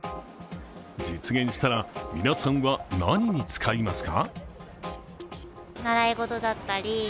実現したら、皆さんは何に使いますか？